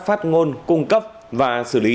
phát ngôn cung cấp và xử lý